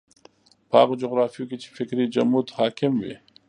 په هغو جغرافیو کې چې فکري جمود حاکم وي.